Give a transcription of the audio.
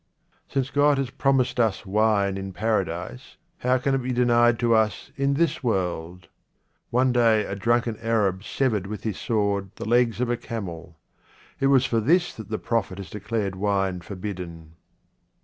Since God has promised us wine in Paradise, how can it be denied to us in this world ? One day a drunken Arab severed with his sword the legs of a camel. It is for this that the Prophet has declared wine forbidden.